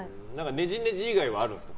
ねじねじ以外はあるんですか？